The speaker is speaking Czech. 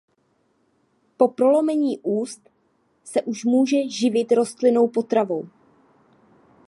Po prolomení úst se už může živit rostlinnou potravou.